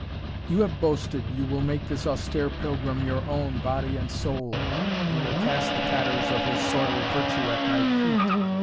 "You have boasted, you will make this austere pilgrim your own, body and soul you will cast the tatters of his soiled virtue at my feet.